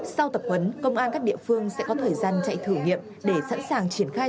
sau tập huấn công an các địa phương sẽ có thời gian chạy thử nghiệm để sẵn sàng triển khai